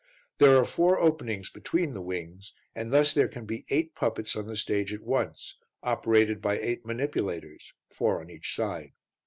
There are four openings between the wings, and thus there can be eight puppets on the stage at once, operated by eight manipulators, four on each side.